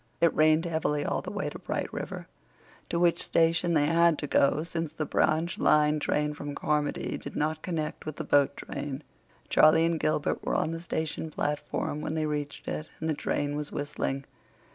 It rained heavily all the way to Bright River, to which station they had to go, since the branch line train from Carmody did not connect with the boat train. Charlie and Gilbert were on the station platform when they reached it, and the train was whistling.